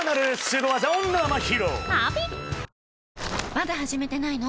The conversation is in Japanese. まだ始めてないの？